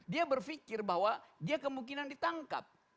dia berpikir bahwa dia kemungkinan ditangkap